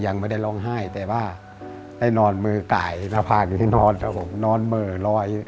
ยังไม่ได้ร้องไห้แต่ว่าได้นอนมือไก่นอนเมล้อ